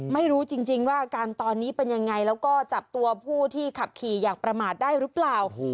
ไม่รู้จริงว่าอาการตอนนี้เป็นยังไงแล้วก็จับตัวผู้ที่ขับขี่อย่างประมาทได้หรือเปล่า